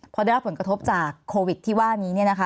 พอได้รับผลกระทบจากโควิดที่ว่านี้